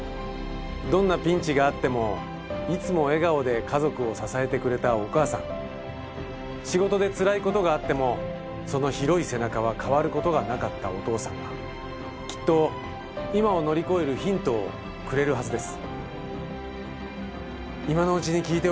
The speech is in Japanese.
どんなピンチがあってもいつも笑顔で家族を支えてくれたお母さん仕事でつらいことがあってもその広い背中は変わることがなかったお父さんがきっと今を乗り越えるヒントをくれるはずです。